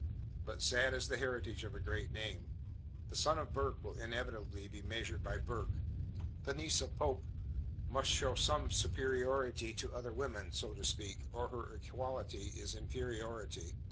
But sad is the heritage of a great name! The son of Burke will inevitably be measured by Burke. The niece of Pope must show some superiority to other women (so to speak), or her equality is inferiority.